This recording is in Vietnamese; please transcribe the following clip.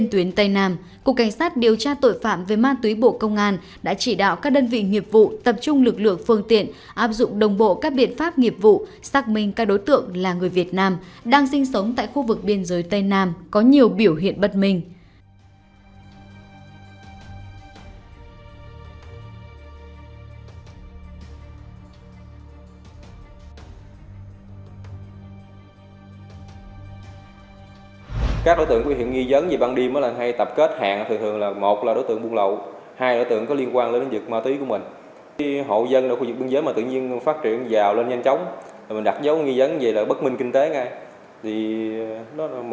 từ đó cục cảnh sát điều tra tội phạm về ma túy bộ công an dựng sơ đồ để làm rõ từng vai trò vị trí của các đối tượng đồng thời làm rõ phương thức cắt dấu và chuyển ma túy từ nước ngoài về việt nam